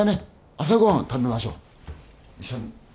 朝ご飯食べましょ一緒に。